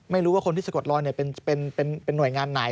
ไม่รู้ว่าคนที่สะกดรอยเป็นหน่วยงานไหน